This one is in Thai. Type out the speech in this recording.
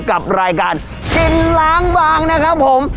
กับรายการกินล้างบางนะครับผม